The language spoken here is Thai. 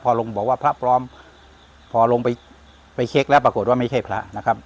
พอลงบอกว่าพระปลอมพอลงไปไปเช็คแล้วปรากฏว่าไม่ใช่พระนะครับ